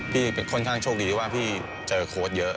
พี่เป็นค่อนข้างโชคดีว่าพี่เจอโค้ดเยอะ